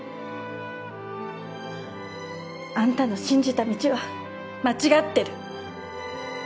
あんたの信じた道は間違ってる。